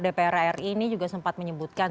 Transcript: dpr ri ini juga sempat menyebutkan